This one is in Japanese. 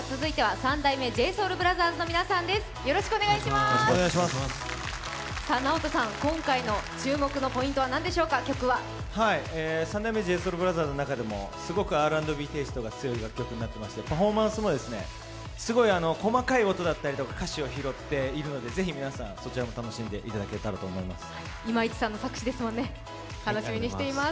三代目ＪＳＯＵＬＢＲＯＴＨＥＲＳの中でもすごくＲ＆Ｂテイストが強い曲になってましてパフォーマンスも細かい音だったりとかもあるので、ぜひ皆さん、そちらも楽しんでいただけたらと思います。